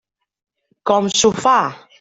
Com s'ho fa?